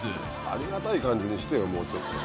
ありがたい感じにしてよもうちょっと。